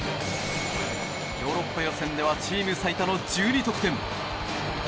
ヨーロッパ予選ではチーム最多の１２得点。